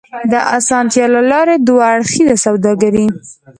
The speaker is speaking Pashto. د اسانتيا له لارې دوه اړخیزه سوداګري